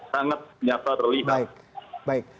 sangat nyata terlihat